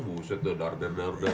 buset dadar dadar dadar